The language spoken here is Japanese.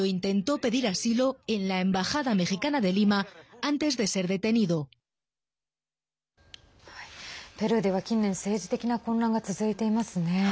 ペルーでは近年政治的な混乱が続いていますね。